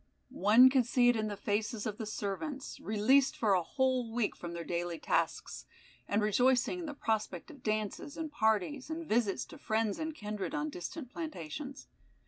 One could see it in the faces of the servants, released for a whole week from their daily tasks, and rejoicing in the prospect of dances, and parties, and visits to friends and kindred on distant plantations.